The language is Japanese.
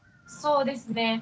そうですね。